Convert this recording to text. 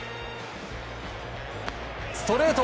ストレート。